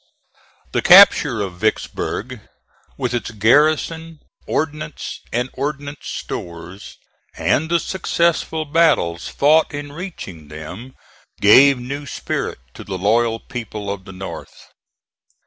The capture of Vicksburg, with its garrison, ordnance and ordnance stores, and the successful battles fought in reaching them, gave new spirit to the loyal people of the North.